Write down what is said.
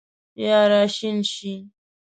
یا راشین شي